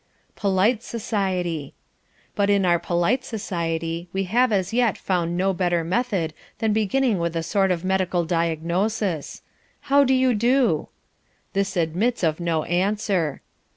Polite Society But in our polite society we have as yet found no better method than beginning with a sort of medical diagnosis "How do you do?" This admits of no answer.